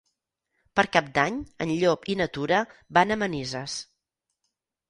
Per Cap d'Any en Llop i na Tura van a Manises.